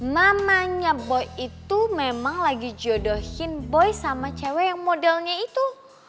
namanya boy itu memang lagi jodohin boy sama cewek yang modelnya itu